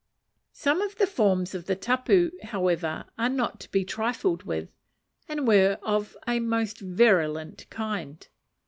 Some of the forms of the tapu, however, were not to be trifled with, and were of a most virulent kind.